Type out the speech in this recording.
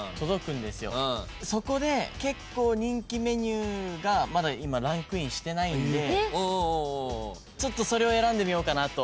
そこで結構人気メニューがまだランクインしてないんでそれを選んでみようかなと。